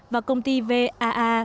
và công ty vaa